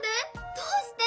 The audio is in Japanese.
どうして？